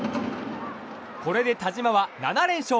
これで田嶋は７連勝。